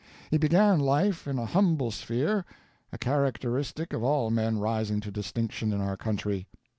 He began life in a humble sphere, a characteristic of all men rising to distinction in our country.